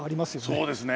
そうですね。